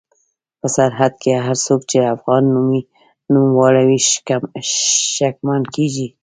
په سرحد کې هر څوک چې د افغان نوم واوري شکمن کېږي.